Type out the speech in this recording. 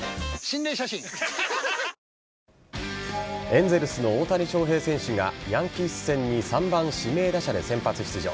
エンゼルスの大谷翔平選手がヤンキース戦に３番・指名打者で先発出場。